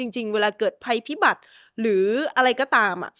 จริงเวลาเกิดภัยพิบัติหรืออะไรก็ตาม